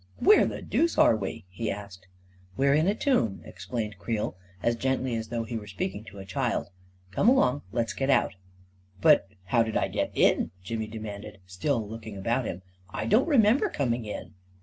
" Where the deuce are we? " he asked. " We're in a tomb," explained Creel, as gently as though he were speaking to a child. " Come along — let's get out." 11 But how did I get in? " Jimmy demanded, still looking about him. " I don't remember coming in."